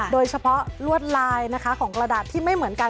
โดยเฉพาะลวดลายนะคะของกระดาษที่ไม่เหมือนกัน